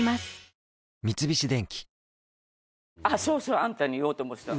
三菱電機あんたに言おうと思ってた。